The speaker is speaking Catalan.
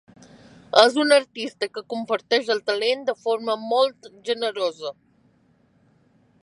És una artista que comparteix el talent de forma molt generosa.